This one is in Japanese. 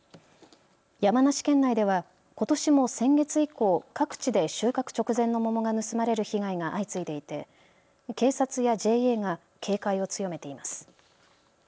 山梨県内ではことしも先月以降、各地で収穫直前の桃が盗まれる被害が相次いでいて警察やＪＡが警戒を強めています。